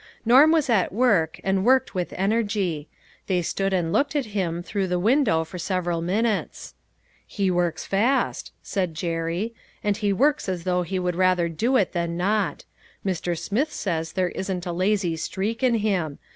Norm was at work, and worked with energy ; they stood and looked at him through the win dow for a few minutes. " He works fast," said Jerry, " and he works as though he would rather do it than not ; Mr. Smith says there isn't a lazy streak in him.